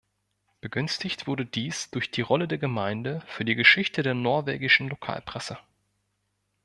Begünstigt wurde dies durch die Rolle der Gemeinde für die Geschichte der norwegischen Lokalpresse.